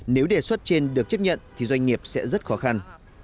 nếu đề xuất trên được chấp nhận thì doanh nghiệp sẽ rất khó khăn